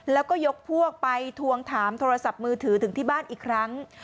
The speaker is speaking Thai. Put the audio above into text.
แล้วก็ยกพวกไปทวงถามโทรศัพท์มือถือถึงที่บ้านอีกครั้ง